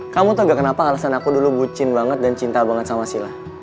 kamu tau gak kenapa alasan aku dulu bucin banget dan cinta banget sama sila